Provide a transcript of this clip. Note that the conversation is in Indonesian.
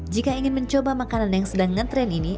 jika ingin mencoba makanan yang sedang ngetrend ini